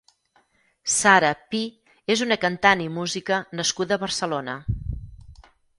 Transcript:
Sara Pi és una cantant i música nascuda a Barcelona.